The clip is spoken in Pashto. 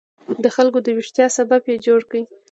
د خلکو د ویښتیا سبب یې جوړ کړو.